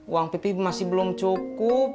uang pp masih belum cukup